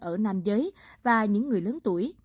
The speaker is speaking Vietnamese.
ở nam giới và những người lớn tuổi